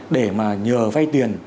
để mà nhờ vay tiền